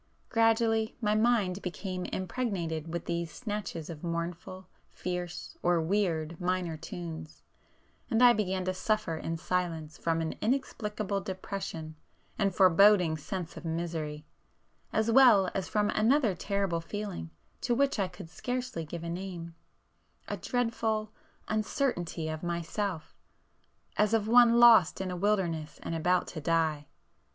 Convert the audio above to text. Gradually my mind became impregnated with these snatches of mournful, fierce, or weird minor tunes,—and I began to suffer in silence from an inexplicable depression and foreboding sense of misery, as well as from another terrible feeling to which I could scarcely give a name,—a dreadful uncertainty of myself, as of one lost in a wilderness and about to die.